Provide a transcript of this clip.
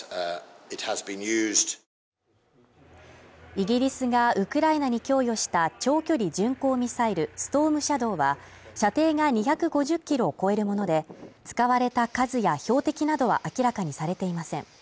イギリスがウクライナに供与した長距離巡航ミサイル・ストームシャドーは射程が２５０キロを超えるもので、使われた数や標的などは明らかにされていません。